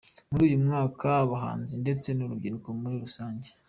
Muri uyu mwaka abahanzi ndetse nurubyiruko muri rusange.